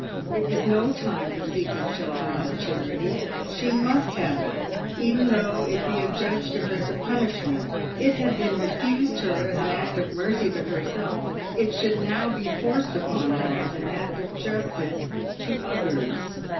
It was no time for seeking shelter as a charity : she must have it, even though it be adjudged to her as a punishment. It had been refused her as an act of mercy to herself; it should now be forced upon her as an act of justice to others.